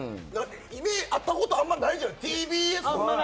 会ったことあんまりないじゃないですか。